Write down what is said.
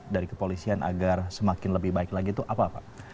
dari kepolisian agar semakin lebih baik lagi itu apa pak